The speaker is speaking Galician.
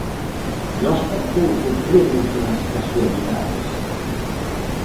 Nós tampouco cremos nas casualidades.